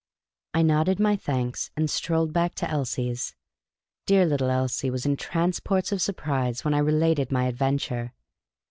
I nodded my thanks, and strolled back to Elsie's. Dear little Elsie was in transports of surpirse when I related my adv^enture.